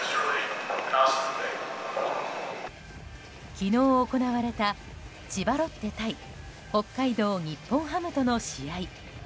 昨日行われた、千葉ロッテ対北海道日本ハムとの試合。